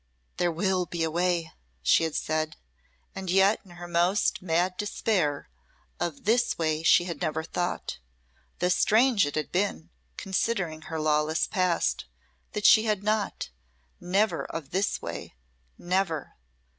"There will be a way," she had said, and yet in her most mad despair, of this way she had never thought; though strange it had been, considering her lawless past, that she had not never of this way never!